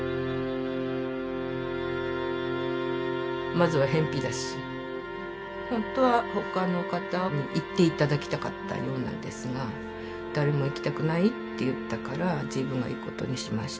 まずはへんぴだし本当はほかの方に行っていただきたかったようなんですが誰も行きたくないって言ったから自分が行くことにしましたって。